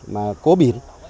mà có biển